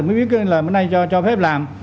mới biết là bây nay cho phép làm